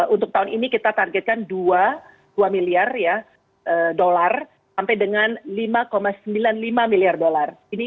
untuk tahun ini kita targetkan dua miliar dolar sampai dengan lima sembilan puluh lima miliar dolar